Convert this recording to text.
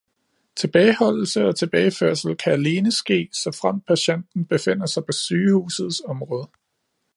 Tilbageholdelse og tilbageførsel kan alene ske, såfremt patienten befinder sig på sygehusets område